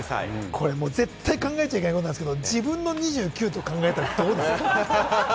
これ絶対考えちゃいけないですけれども、自分の２９歳を考えたらどうですか？